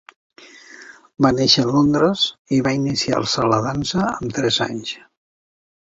Va néixer a Londres i va iniciar-se a la dansa amb tres anys.